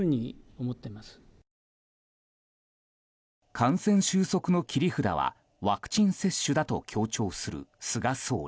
感染収束の切り札はワクチン接種だと強調する菅総理。